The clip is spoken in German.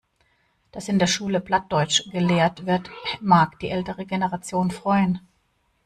Dass in der Schule Plattdeutsch gelehrt wird, mag die ältere Generation freuen.